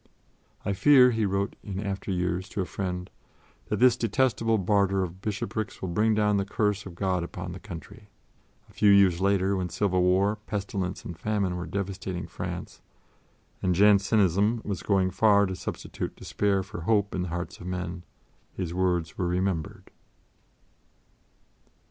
"I fear," he wrote in after years to a friend, "that this detestable barter of bishoprics will bring down the curse of God upon the country." A few years later, when civil war, pestilence and famine were devastating France, and Jansenism was going far to substitute despair for hope in the hearts of men, his words were remembered.